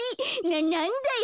なんだよ